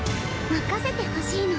任せてほしいの。